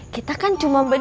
kita kan cuma berdua